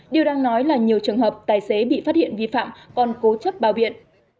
điều đang nói là nhiều trường hợp tài xế bị phát hiện vi phạm còn cố chấp bao biện